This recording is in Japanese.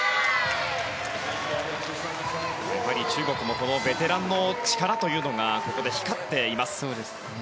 やはり中国もベテランの力がここで光っています。